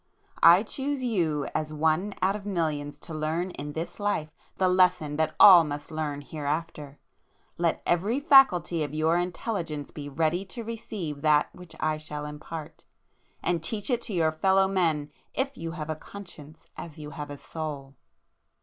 I choose you as one out of millions to learn in this life the lesson that all must learn hereafter;—let every faculty of your intelligence be ready to receive that which I shall impart,—and teach it to your fellow men if you have a conscience as you have a Soul!"